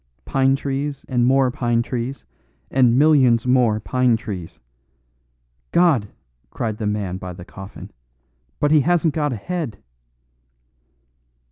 Pine trees and more pine trees and millions more pine trees " "God!" cried the man by the coffin, "but he hasn't got a head."